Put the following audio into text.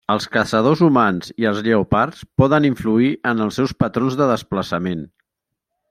Els caçadors humans i els lleopards poden influir en els seus patrons de desplaçament.